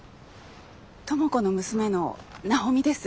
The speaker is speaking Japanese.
知子の娘の奈穂美です。